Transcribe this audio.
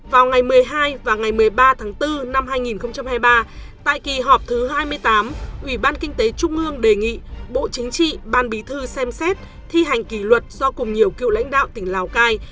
vào ngày một mươi hai và ngày một mươi ba tháng bốn năm hai nghìn hai mươi ba tại kỳ họp thứ hai mươi tám ubnd đề nghị bộ chính trị ban bí thư xem xét thi hành kỳ luật do cùng nhiều cựu lãnh đạo tỉnh lào cai